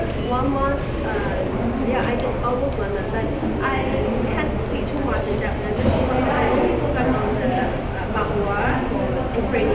เขาสนใจที่จะเรียนภาษาบางคนที่ไม่ดีกับสิ่งอื่นด้วย